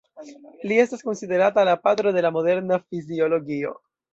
Li estas konsiderata la patro de la moderna fiziologio.